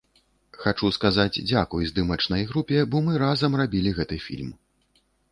Хачу сказаць дзякуй здымачнай групе, бо мы разам рабілі гэты фільм.